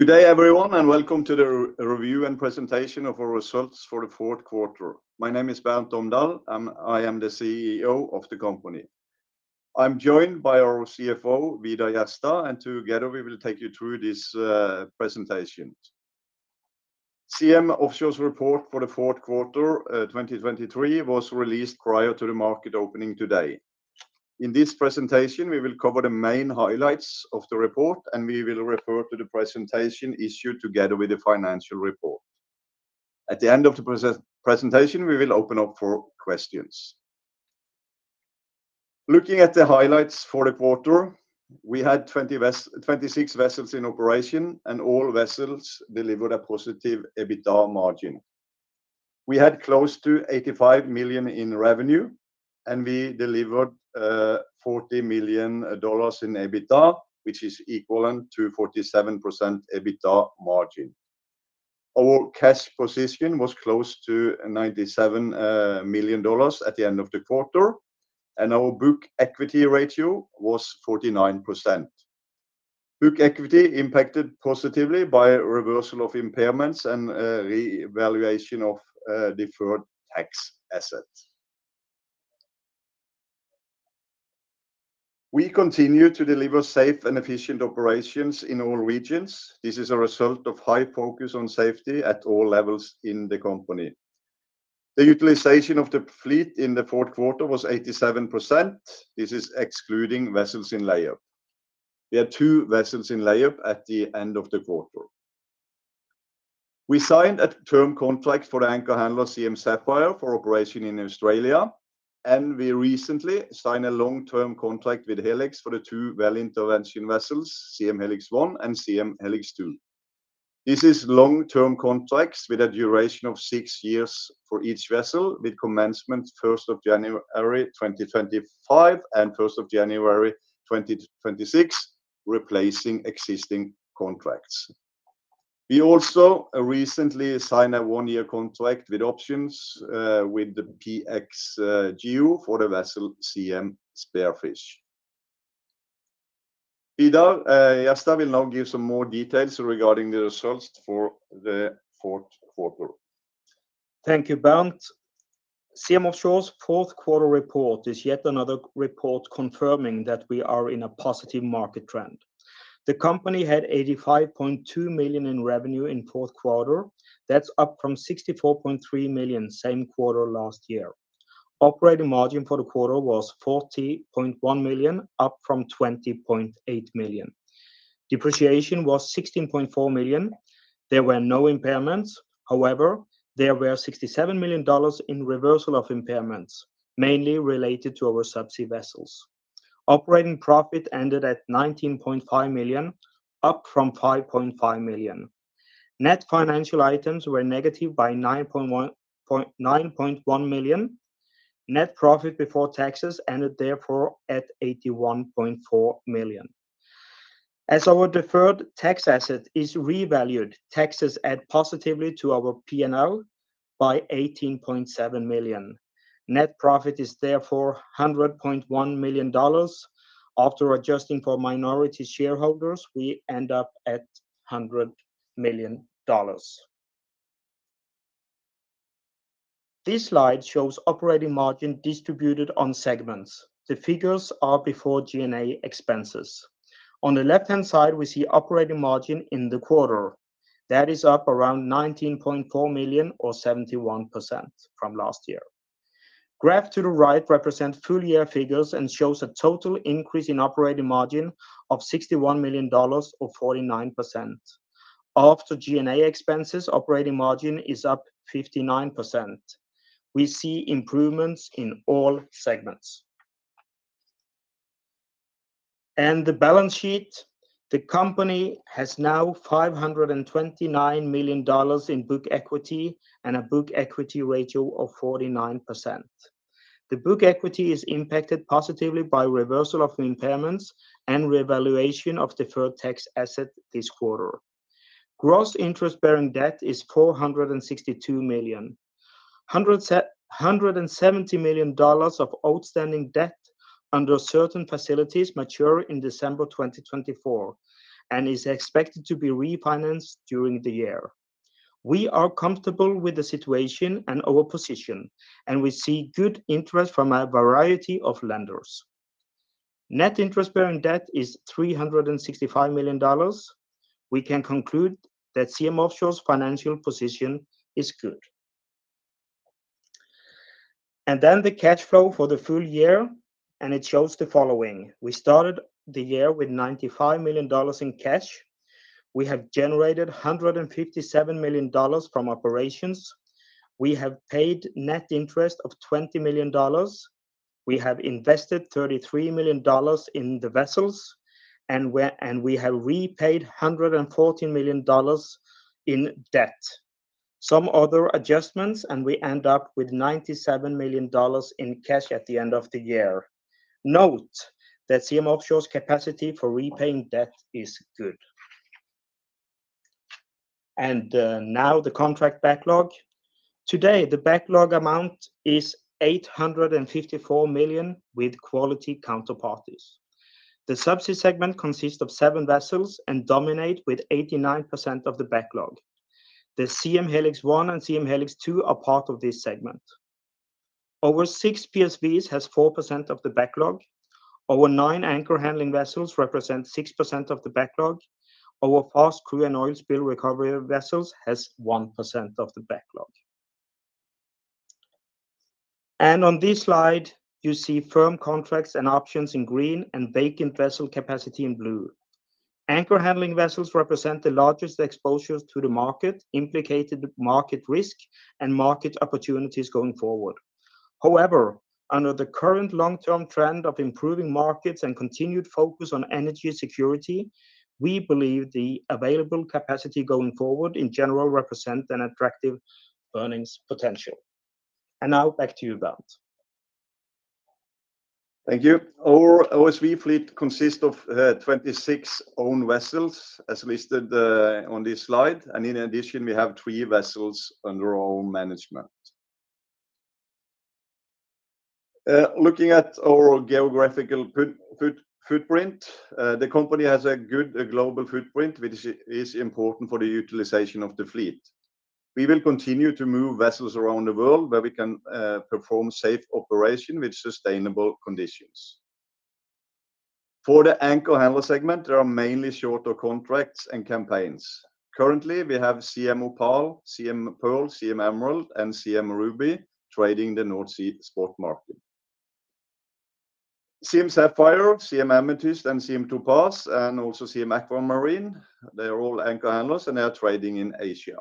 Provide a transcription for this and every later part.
Good day everyone, and welcome to the review and presentation of our results for the fourth quarter. My name is Bernt Omdal, and I am the CEO of the company. I'm joined by our CFO, Vidar Jerstad, and together we will take you through this presentation. Siem Offshore's report for the fourth quarter 2023 was released prior to the market opening today. In this presentation, we will cover the main highlights of the report, and we will refer to the presentation issued together with the financial report. At the end of the presentation, we will open up for questions. Looking at the highlights for the quarter, we had 26 vessels in operation, and all vessels delivered a positive EBITDA margin. We had close to $85 million in revenue, and we delivered $40 million in EBITDA, which is equivalent to 47% EBITDA margin. Our cash position was close to $97 million at the end of the quarter, and our book equity ratio was 49%. Book equity impacted positively by a reversal of impairments and revaluation of deferred tax assets. We continue to deliver safe and efficient operations in all regions. This is a result of high focus on safety at all levels in the company. The utilization of the fleet in the fourth quarter was 87%. This is excluding vessels in lay-up. There are two vessels in lay-up at the end of the quarter. We signed a term contract for the anchor handler Siem Sapphire for operation in Australia, and we recently signed a long-term contract with Helix for the 2 well intervention vessels, Siem Helix 1 and Siem Helix 2. This is long-term contracts with a duration of 6 years for each vessel, with commencement first of January 2025 and first of January 2026, replacing existing contracts. We also recently signed a 1-year contract with options with PXGEO for the vessel Siem Spearfish. Vidar Jerstad will now give some more details regarding the results for the fourth quarter. Thank you, Bernt. Siem Offshore's fourth quarter report is yet another report confirming that we are in a positive market trend. The company had $85.2 million in revenue in fourth quarter. That's up from $64.3 million, same quarter last year. Operating margin for the quarter was $40.1 million, up from $20.8 million. Depreciation was $16.4 million. There were no impairments. However, there were $67 million in reversal of impairments, mainly related to our subsea vessels. Operating profit ended at $19.5 million, up from $5.5 million. Net financial items were negative by $9.1 million. Net profit before taxes ended therefore at $81.4 million. As our deferred tax asset is revalued, taxes add positively to our PNL by $18.7 million. Net profit is therefore $100.1 million. After adjusting for minority shareholders, we end up at $100 million. This slide shows operating margin distributed on segments. The figures are before G&A expenses. On the left-hand side, we see operating margin in the quarter. That is up around $19.4 million or 71% from last year. Graph to the right represent full year figures and shows a total increase in operating margin of $61 million or 49%. After G&A expenses, operating margin is up 59%. We see improvements in all segments. The balance sheet, the company has now $529 million in book equity and a book equity ratio of 49%. The book equity is impacted positively by reversal of impairments and revaluation of deferred tax asset this quarter. Gross interest-bearing debt is $462 million. $170 million of outstanding debt under certain facilities mature in December 2024 and is expected to be refinanced during the year. We are comfortable with the situation and our position, and we see good interest from a variety of lenders. Net interest-bearing debt is $365 million. We can conclude that Siem Offshore's financial position is good. And then the cash flow for the full year, and it shows the following: We started the year with $95 million in cash. We have generated $157 million from operations. We have paid net interest of $20 million. We have invested $33 million in the vessels, and we have repaid $140 million in debt. Some other adjustments, and we end up with $97 million in cash at the end of the year. Note that Siem Offshore's capacity for repaying debt is good. Now the contract backlog. Today, the backlog amount is $854 million with quality counterparties. The subsea segment consists of seven vessels and dominate with 89% of the backlog. The Siem Helix 1 and Siem Helix 2 are part of this segment. Our six PSVs has 4% of the backlog. Our nine anchor handling vessels represent 6% of the backlog. Our fast crew and oil spill recovery vessels has 1% of the backlog. On this slide, you see firm contracts and options in green and vacant vessel capacity in blue. Anchor handling vessels represent the largest exposure to the market, implicated market risk and market opportunities going forward. However, under the current long-term trend of improving markets and continued focus on energy security, we believe the available capacity going forward in general represent an attractive earnings potential. Now back to you, Bernt. Thank you. Our OSV fleet consists of 26 own vessels, as listed on this slide, and in addition, we have 3 vessels under our own management. Looking at our geographical footprint, the company has a good global footprint, which is important for the utilization of the fleet. We will continue to move vessels around the world where we can perform safe operation with sustainable conditions. For the anchor handler segment, there are mainly shorter contracts and campaigns. Currently, we have Siem Opal, Siem Pearl, Siem Emerald and Siem Ruby trading the North Sea spot market. Siem Sapphire, Siem Amethyst, and Siem Topaz, and also Siem Aquamarine, they are all anchor handlers, and they are trading in Asia.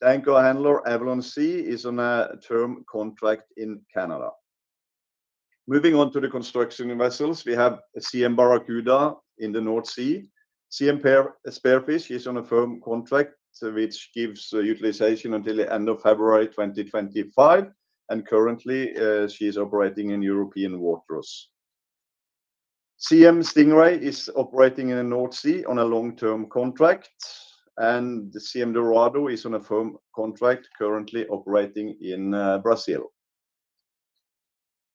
The anchor handler, Avalon Sea, is on a term contract in Canada. Moving on to the construction vessels, we have Siem Barracuda in the North Sea. Siem Spearfish is on a firm contract, which gives utilization until the end of February 2025, and currently, she is operating in European waters. Siem Stingray is operating in the North Sea on a long-term contract, and the Siem Dorado is on a firm contract currently operating in, Brazil.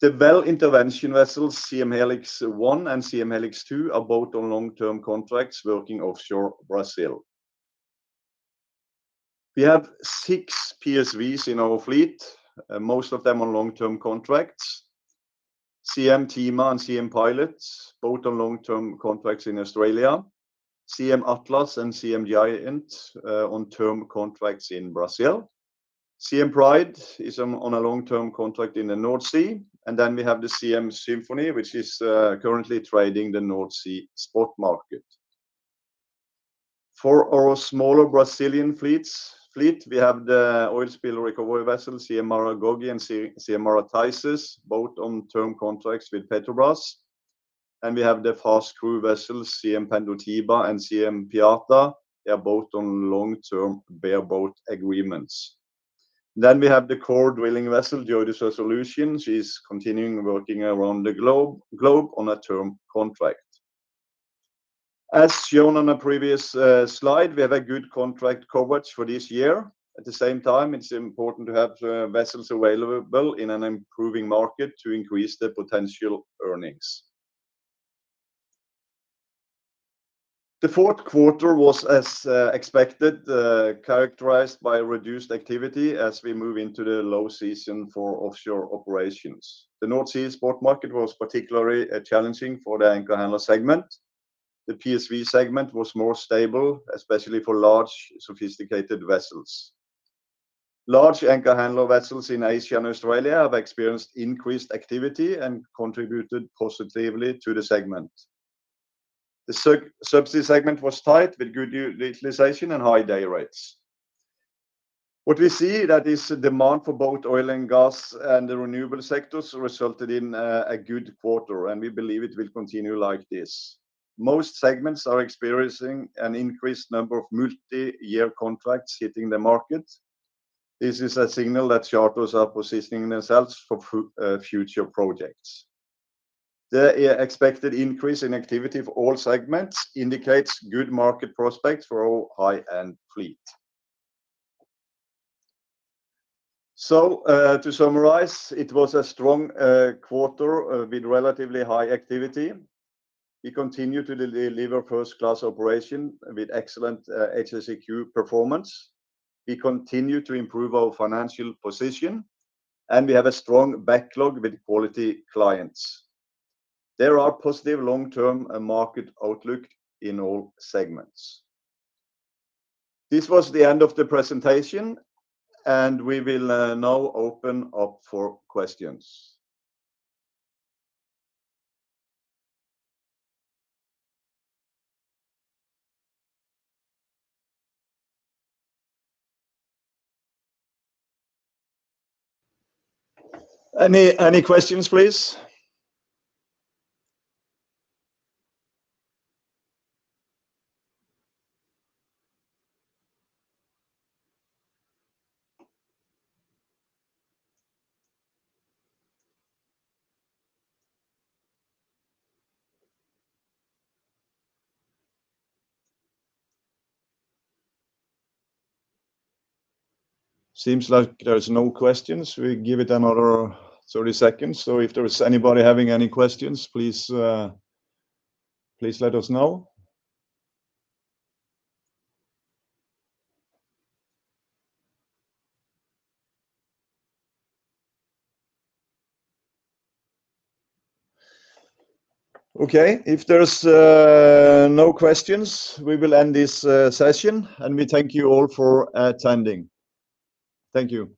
The well intervention vessels, Siem Helix 1 and Siem Helix 2, are both on long-term contracts working offshore Brazil. We have six PSVs in our fleet, most of them on long-term contracts. Siem Tema and Siem Pilot, both on long-term contracts in Australia. Siem Atlas and Siem Giant, on term contracts in Brazil. Siem Pride is on a long-term contract in the North Sea. And then we have the Siem Symphony, which is, currently trading the North Sea spot market. For our smaller Brazilian fleet, we have the oil spill recovery vessel, Siem Maragogi and Siem Marataízes, both on term contracts with Petrobras. And we have the fast crew vessels, Siem Pendotiba and Siem Piata. They are both on long-term bareboat agreements. Then we have the core drilling vessel, JOIDES Resolution. She's continuing working around the globe on a term contract. As shown on a previous slide, we have a good contract coverage for this year. At the same time, it's important to have vessels available in an improving market to increase the potential earnings. The fourth quarter was, as expected, characterized by reduced activity as we move into the low season for offshore operations. The North Sea spot market was particularly challenging for the anchor handler segment. The PSV segment was more stable, especially for large, sophisticated vessels. Large anchor handler vessels in Asia and Australia have experienced increased activity and contributed positively to the segment. The subsea segment was tight, with good utilization and high day rates. What we see that is demand for both oil and gas and the renewable sectors resulted in a good quarter, and we believe it will continue like this. Most segments are experiencing an increased number of multi-year contracts hitting the market. This is a signal that charterers are positioning themselves for future projects. The expected increase in activity for all segments indicates good market prospects for our high-end fleet. So, to summarize, it was a strong quarter with relatively high activity. We continue to deliver first-class operation with excellent HSEQ performance. We continue to improve our financial position, and we have a strong backlog with quality clients. There are positive long-term market outlook in all segments. This was the end of the presentation, and we will now open up for questions. Any questions, please? Seems like there's no questions. We give it another 30 seconds, so if there is anybody having any questions, please, please let us know. Okay, if there's no questions, we will end this session, and we thank you all for attending. Thank you.